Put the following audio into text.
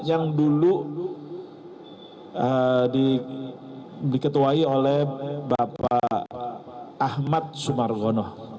yang dulu diketuai oleh bapak ahmad sumargono